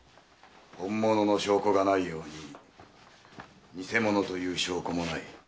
本物の証拠がないように偽物という証拠もない。